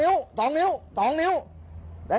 อีกอดที่เหลือ